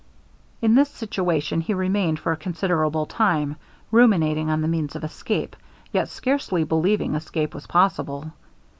In this situation he remained for a considerable time, ruminating on the means of escape, yet scarcely believing escape was possible.